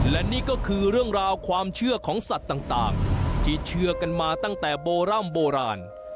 และนี่ก็คือเรื่องราวความเชื่อของสัตว์ต่างที่เชื่อกันมาตั้งแต่โบร่ำโบราณ